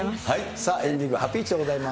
さあ、エンディング、ハピイチでございます。